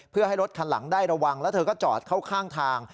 เพื่อให้รถคันหลังได้ระวังแล้วเธอก็จอดเข้าข้างทาง